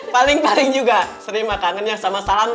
paling paling juga seri makanannya sama salam tempel